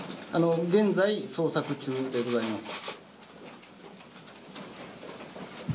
現在、捜索中でございます。